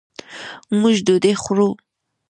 موږ ډوډۍ خورو